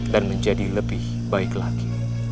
dan menjadi lebih baik lagi